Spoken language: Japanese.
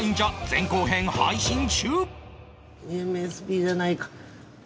前後編配信中